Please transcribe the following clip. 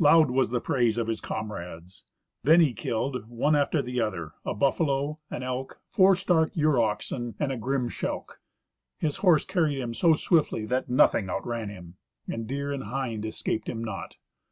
Loud was the praise of his comrades. Then he killed, one after the other, a buffalo, an elk, four stark ureoxen, and a grim shelk. His horse carried him so swiftly that nothing outran him. Deer and hind escaped him not.